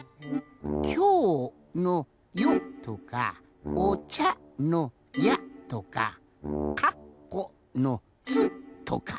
「きょう」の「ょ」とか「おちゃ」の「ゃ」とか「かっこ」の「っ」とか。